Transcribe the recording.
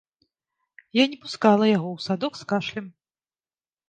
Я не пускала яго ў садок з кашлем.